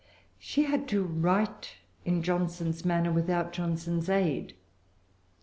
She had to write in Johnson's manner without Johnson's aid.